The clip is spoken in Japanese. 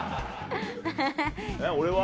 俺は？